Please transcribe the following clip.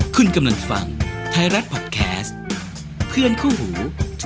คุณกำลังฟังไทยรัฐพอดแคสต์เพื่อนคู่หู